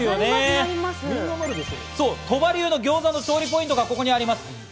鳥羽流のギョーザの調理ポイントがここにあります。